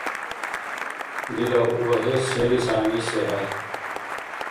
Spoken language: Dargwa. Дила у багьес селис гӀягӀниси хӀед?